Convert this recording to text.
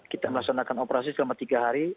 kita melaksanakan operasi selama tiga hari